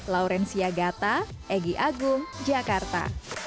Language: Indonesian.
laurencia gata egy agung jakarta